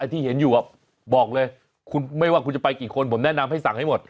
ที่เห็นอยู่บอกเลยคุณไม่ว่าคุณจะไปกี่คนผมแนะนำให้สั่งให้หมด